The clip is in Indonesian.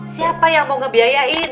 siapa yang mau ngebiayain